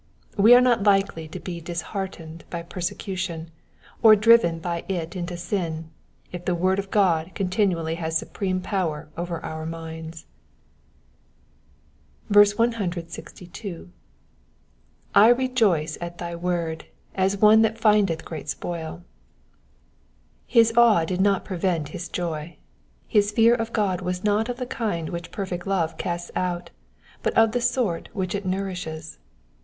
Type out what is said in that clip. We are not likely to be disheartened by persecution, or driven by it into sin, if the word of God continually has supreme power over our minds. 162. 7 rejoice at thy word^ as one that findeth great spoilt His awe did not prevent his joy ; his fear of God was not of the kind which perfect love casts out, but of the sort which it nourishes.